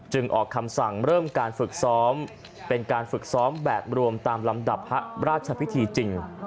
ออกคำสั่งเริ่มการฝึกซ้อมเป็นการฝึกซ้อมแบบรวมตามลำดับพระราชพิธีจริง